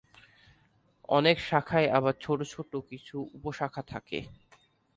অনেক শাখায় আবার ছোট ছোট কিছু উপশাখা থাকে।